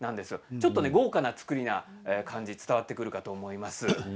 ちょっと豪華な造りの感じが伝わってくると思います。